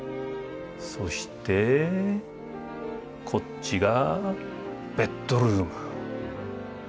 そしてこっちがベッドルーム。